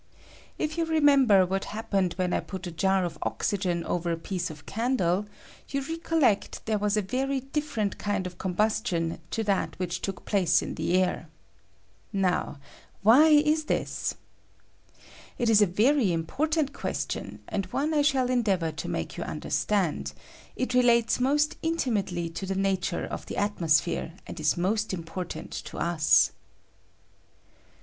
If you remember what happened when I put a jar of oxygen over a piece of candle, you recollect there was a very different kind of combustion to that which took place in the air. Now why is this? It is a very im portant question, and one I shall endeavor to make you understand; it relates most inti mately to the nature of the atmosphere, and ia most important to us. I 122 TESTS FOR OSYGEN.